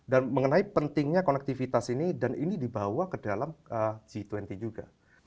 dan mengenai pentingnya konektivitas ini dan ini dibawa ke dalam g dua puluh juga